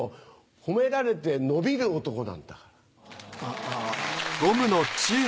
褒められて伸びる男なんだから。